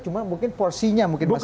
cuma mungkin porsinya mungkin mas arief